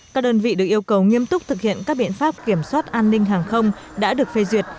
các đơn vị được yêu cầu nghiêm túc thực hiện các biện pháp kiểm soát an ninh hàng không đã được phê duyệt